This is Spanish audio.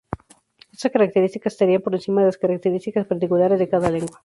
Estas características estarían por encima de las características particulares de cada lengua.